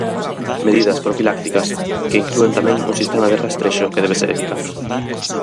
Medidas profilácticas que inclúen tamén un sistema de rastrexo que debe ser eficaz.